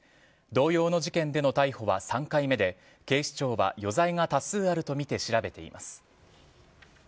同様の事件での逮捕は３回目で警視庁は余罪が多数あるとみて調べています。